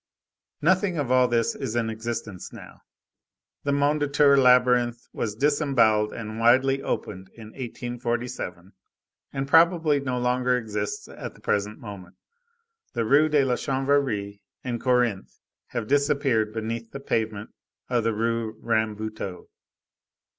Nothing of all this is in existence now. The Mondétour labyrinth was disembowelled and widely opened in 1847, and probably no longer exists at the present moment. The Rue de la Chanvrerie and Corinthe have disappeared beneath the pavement of the Rue Rambuteau.